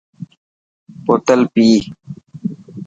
بوتل پئي.